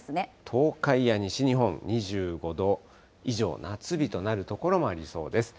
東海や西日本２５度以上、夏日となる所もありそうです。